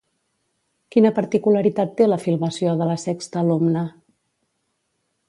Quina particularitat té la filmació de La sexta alumna?